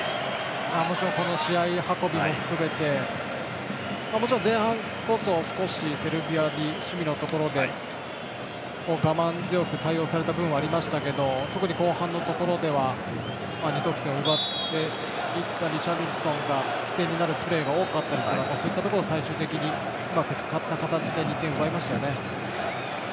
もちろんこの試合運びも含めて、前半こそ少しセルビアに守備のところで我慢強く対応された分はありますけど特に後半のところでは２得点を奪っていったリシャルリソンが起点になるプレーが多かったですからそういったところを最終的にうまく使って２点、奪いましたよね。